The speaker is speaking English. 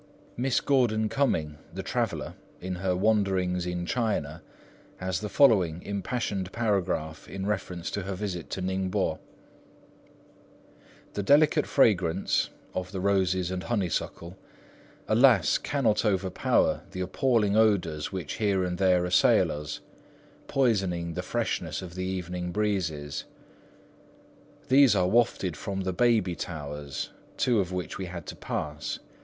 Miss Gordon Cumming, the traveller, in her Wanderings in China, has the following impassioned paragraph in reference to her visit to Ningpo:— "The delicate fragrance (of the roses and honeysuckle), alas! cannot overpower the appalling odours which here and there assail us, poisoning the freshness of the evening breezes. "These are wafted from the Baby Towers, two of which we had to pass.